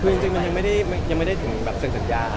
คือจริงมันยังไม่ได้ถึงแบบเซ็นสัญญา